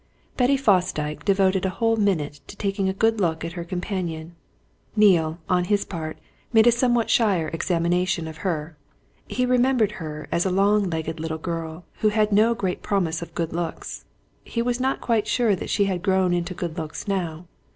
Betty Fosdyke devoted a whole minute to taking a good look at her companion: Neale, on his part, made a somewhat shyer examination of her. He remembered her as a long legged little girl who had no great promise of good looks: he was not quite sure that she had grown into good looks now.